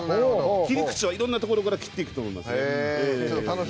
切り口を、いろんなところから切っていくと思います。